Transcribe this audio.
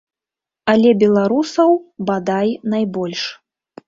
Але беларусаў, бадай, найбольш.